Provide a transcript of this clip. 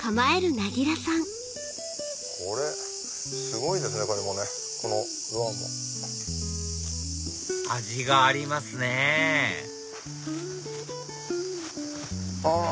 すごいですねこれもね。このドアも。味がありますねはぁ。